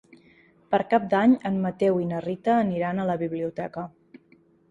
Per Cap d'Any en Mateu i na Rita aniran a la biblioteca.